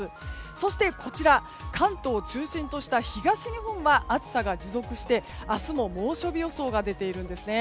そして関東を中心とした東日本は暑さが持続して明日も猛暑日予想が出ています。